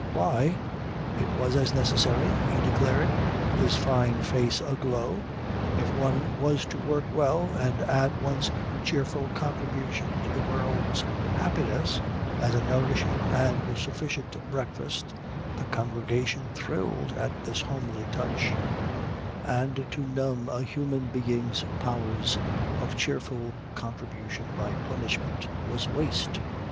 Why, it was as necessary, he declared, his fine face aglow, if one was to work well and add one's cheerful contribution to the world's happiness, as a nourishing and sufficient breakfast the congregation thrilled at this homely touch and to numb a human being's powers of cheerful contribution by punishment was waste.